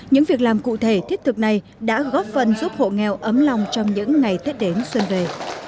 những việc làm cụ thể thiết thực này đã góp phần giúp hộ nghèo ấm lòng trong những ngày tết đến xuân về